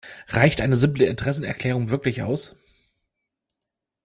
Reicht eine simple Interessenerklärung wirklich aus?